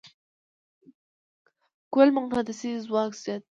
کویل مقناطیسي ځواک زیاتوي.